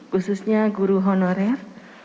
khususnya guru honorer